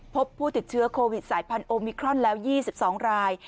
พบผู้ติดเชื้อโควิดสายพันธุมิครอนแล้ว๒๒ราย